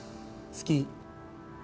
好き。